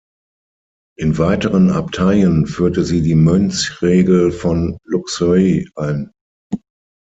In weiteren Abteien führte sie die Mönchsregel von Luxeuil ein.